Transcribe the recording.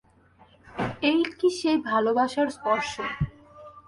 এই কি সেই ভালোবাসার স্পর্শ?